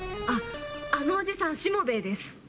あっあのおじさんしもべえです。